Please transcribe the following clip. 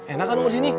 enak kang nunggu di sini